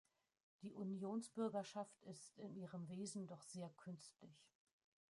Die Unionsbürgerschaft ist in ihrem Wesen doch sehr künstlich.